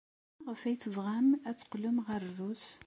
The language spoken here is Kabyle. Maɣef ay tebɣam ad teqqlem ɣer Rrus?